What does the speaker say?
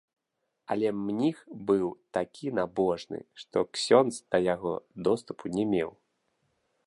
Але мніх быў такі набожны, што ксёндз да яго доступу не меў.